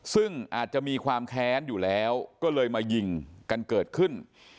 ซึ่งอาจจะมีความแค้นอยู่แล้วก็เลยมายิงกันเกิดขึ้น